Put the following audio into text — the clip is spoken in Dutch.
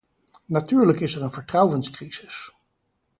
Natuurlijk is er een vertrouwenscrisis.